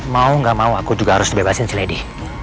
mau gak mau aku juga harus bebasin si lady